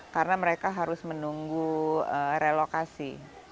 karena mereka harus menunggu relokasi